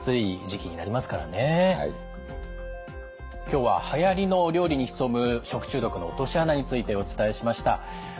今日ははやりの料理に潜む食中毒の落とし穴についてお伝えしました。